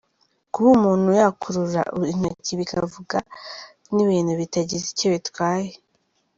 Kuba umuntu yakurura intoki bikavuga ni ibintu bitagize icyo bitwaye.